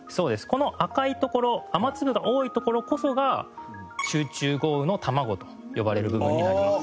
この赤い所雨粒が多い所こそが集中豪雨のたまごと呼ばれる部分になります。